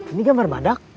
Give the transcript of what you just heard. ini gambar badak